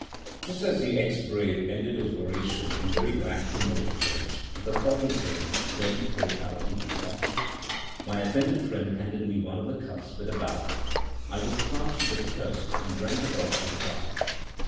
Just as the ex brave ended his oration in very lachrymose tones, the coffee came in, ready poured out in two cups. My attentive friend handed me one of the cups with a bow. I was parched with thirst, and drank it off at a draught.